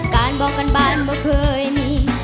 การบอกกันบ้านบ่เคยมี